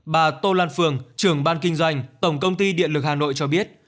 bà tô lan phường trưởng ban kinh doanh tổng công ty điện lực hà nội cho biết